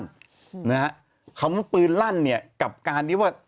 นะฮะคำว่าปืนลั่นเนี่ยกับการที่ว่า